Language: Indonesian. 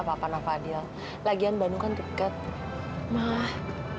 tapi mila gak mencuri